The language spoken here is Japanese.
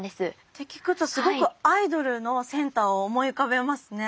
って聞くとすごくアイドルのセンターを思い浮かべますね。